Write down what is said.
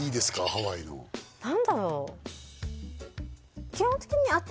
ハワイの何だろう？